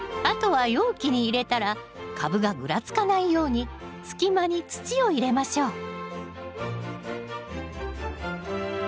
あとは容器に入れたら株がぐらつかないように隙間に土を入れましょう